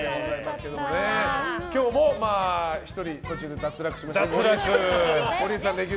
今日も１人途中で脱落しましたが。